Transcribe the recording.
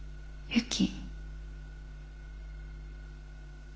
ユキ。